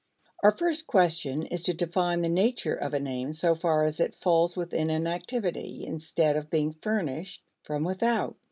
Our first question is to define the nature of an aim so far as it falls within an activity, instead of being furnished from without.